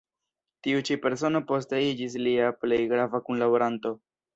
Tiu ĉi persono poste iĝis lia plej grava kunlaboranto.